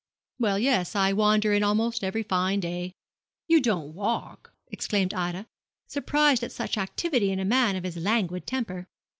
'Well, yes; I wander in almost every fine day.' 'You don't walk?' exclaimed Ida, surprised at such activity in a man of his languid temper.